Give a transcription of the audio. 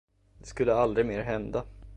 Det skulle aldrig mer hända.